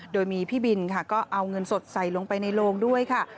โดยมีพี่บินค่ะก็เอาเงินสดใส่ลงไปในโลงด้วยค่ะ